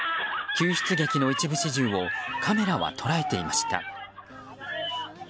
救出劇の一部始終をカメラは捉えていました。